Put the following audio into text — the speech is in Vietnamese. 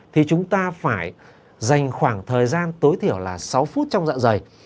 thì chúng ta phải dành khoảng thời gian tối thiểu là sáu phút trong dạng dày